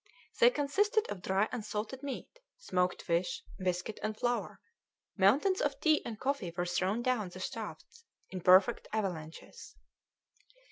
They consisted of dry and salted meat, smoked fish, biscuit, and flour; mountains of tea and coffee were thrown down the shafts in perfect avalanches.